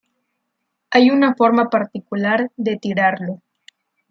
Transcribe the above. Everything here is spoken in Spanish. Hay una forma particular de tirarlo.